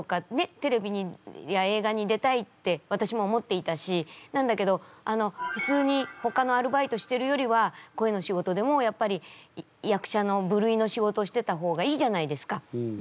テレビや映画に出たいって私も思っていたしなんだけどあのふつうにほかのアルバイトしてるよりは声の仕事でもやっぱり役者の部類の仕事をしてた方がいいじゃないですか。